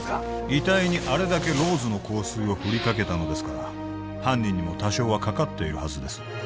遺体にあれだけローズの香水をふりかけたのですから犯人にも多少はかかっているはずです